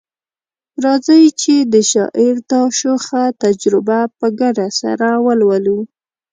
راځئ چي د شاعر دا شوخه تجربه په ګډه سره ولولو